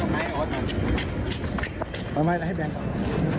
มาให้แบ่ง